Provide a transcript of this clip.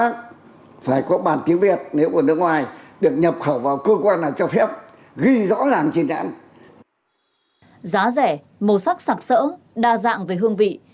giá rẻ màu sắc sạc sỡ đa dạng về hương vị